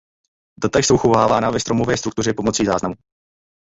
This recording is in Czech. Data jsou uchovávána ve stromové struktuře pomocí záznamů.